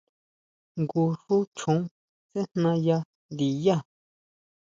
Jngu xú choon sejna yá ndiyá.